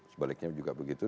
sebaliknya juga begitu